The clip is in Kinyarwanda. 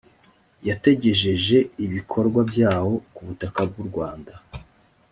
yategejeje ibikorwa byawo ku butaka bw u rwanda